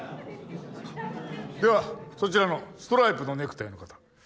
ではそちらのストライプのネクタイの方。